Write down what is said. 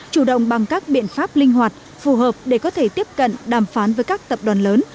chủ động bằng các biện pháp linh hoạt phù hợp để có thể tiếp cận đàm phán với các tập đoàn lớn